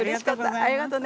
ありがとね。